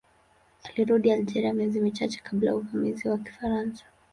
Alirudi Algeria miezi michache kabla ya uvamizi wa Kifaransa.